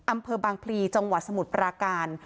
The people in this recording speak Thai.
อำเภอบางพลีจังหวัดสมุทรปราการ